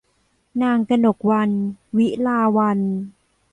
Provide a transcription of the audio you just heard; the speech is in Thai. นางกนกวรรณ วิลาวัลย์